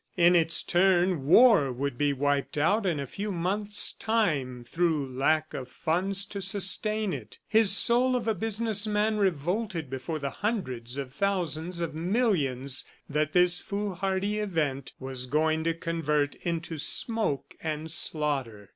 In its turn, war would be wiped out in a few months' time through lack of funds to sustain it. His soul of a business man revolted before the hundreds of thousands of millions that this foolhardy event was going to convert into smoke and slaughter.